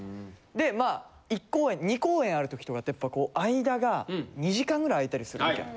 でまあ１公演２公演ある時とかってやっぱこう間が２時間ぐらいあいたりする時がある。